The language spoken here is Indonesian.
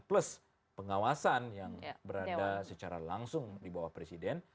plus pengawasan yang berada secara langsung di bawah presiden